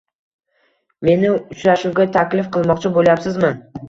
- Meni uchrashuvga taklif qilmoqchi bo'lyapsizmi?